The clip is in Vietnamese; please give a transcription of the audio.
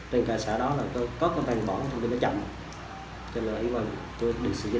tiền sử dụng đất khu dân cư cao hơn phí thu của người dân